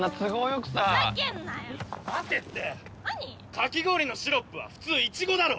かき氷のシロップは普通イチゴだろ！